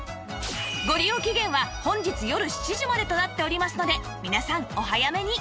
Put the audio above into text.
ご利用期限は本日よる７時までとなっておりますので皆さんお早めに